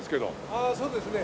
ああそうですね。